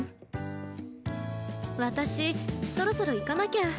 私そろそろ行かなきゃ。